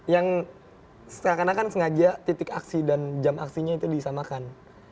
yang sekat katah kan sengaja titik aksi dan jam aksinya itu disamakan